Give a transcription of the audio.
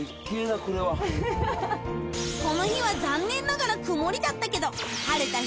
この日は残念ながら曇りだったけど晴れた